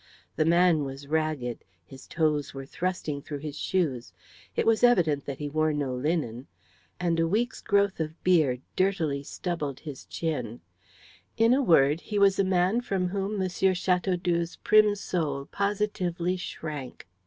The man was ragged; his toes were thrusting through his shoes; it was evident that he wore no linen, and a week's growth of beard dirtily stubbled his chin, in a word, he was a man from whom M. Chateaudoux's prim soul positively shrank.